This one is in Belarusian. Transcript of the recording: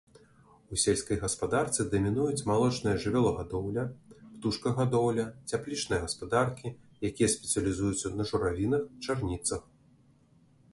У сельскай гаспадарцы дамінуюць малочная жывёлагадоўля, птушкагадоўля, цяплічныя гаспадаркі, якія спецыялізуюцца на журавінах, чарніцах.